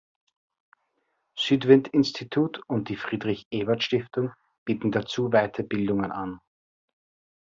Südwind-Institut und die Friedrich-Ebert-Stiftung bieten dazu Weiterbildungen an.